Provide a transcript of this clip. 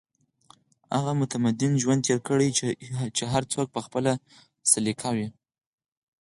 هغې متمدن ژوند تېر کړی چې هر څوک په خپله سليقه وي